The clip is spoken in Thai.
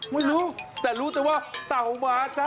ไม่รู้แต่รู้แต่ว่าเต่ามาจ้ะ